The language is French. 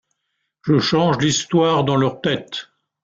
Je change l’histoire dans leur tête.